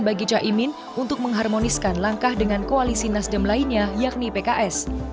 bagi caimin untuk mengharmoniskan langkah dengan koalisi nasdem lainnya yakni pks